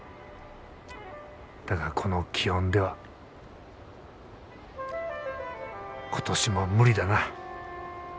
だがこの気温では今年も無理だな。